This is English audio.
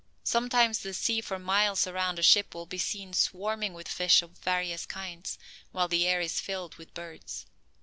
Sometimes the sea for miles around a ship will be seen swarming with fish of various kinds, while the air is filled with birds.